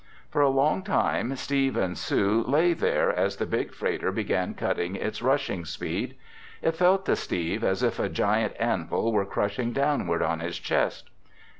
For a long time, Steve and Sue lay there as the big freighter began cutting its rushing speed. It felt to Steve as if a giant anvil were crushing downward on his chest.